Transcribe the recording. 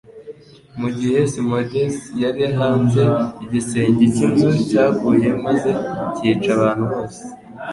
Mu gihe Simonides yari hanze, igisenge cy'inzu cyaguye maze cyica abantu bose